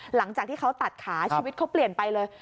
หลังจากที่เขาตัดขาชีวิตเขาเปลี่ยนไปเลย